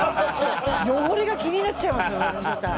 汚れが気になっちゃいますよね。